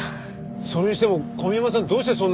それにしても小宮山さんどうしてそんな危険な事を？